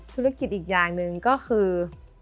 ธุรกิจอีกอย่างหนึ่งก็คือ